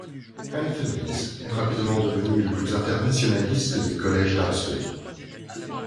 Anthony's est rapidement devenu le plus internationaliste des collèges d'Oxford.